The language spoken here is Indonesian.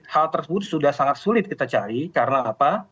hal tersebut sudah sangat sulit kita cari karena apa